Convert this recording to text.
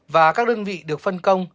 và các đơn vị được phân công